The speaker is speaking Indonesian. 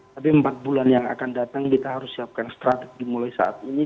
tapi empat bulan yang akan datang kita harus siapkan strategi mulai saat ini